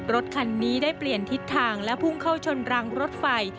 รถคันนี้ได้เปลี่ยนทิศทางและพุ่งเข้าชนรางรถไฟ